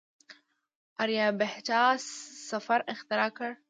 آریابهټا صفر اختراع کړ.